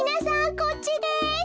こっちです。